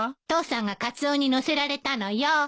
父さんがカツオにのせられたのよ。